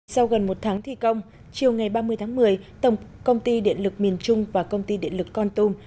sau gần một tháng thi công chiều ngày ba mươi tháng một mươi tổng công ty điện lực miền trung và công ty điện lực con tum